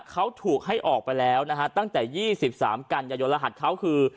เขาถูกให้ออกไปแล้วนะฮะตั้งแต่๒๓กันยายนรหัสเขาคือ